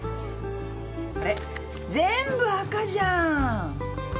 あれっ全部赤じゃん。